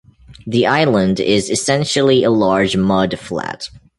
The island is essentially a large mud flat.